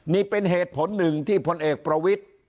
นี่เป็นเหตุผลหนึ่งที่พลเอกประวิทธิ์